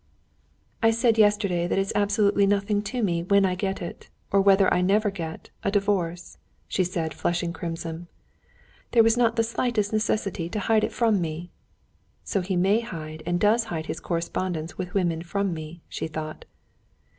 "I said yesterday that it's absolutely nothing to me when I get, or whether I never get, a divorce," she said, flushing crimson. "There was not the slightest necessity to hide it from me." "So he may hide and does hide his correspondence with women from me," she thought.